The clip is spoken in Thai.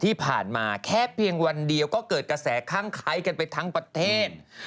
ที่ผ่านมาแค่เพียงวันเดียวก็เกิดกระแสคั่งไคร้กันไปทั้งประเทศ